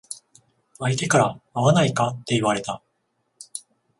相手から会わないかって言われた。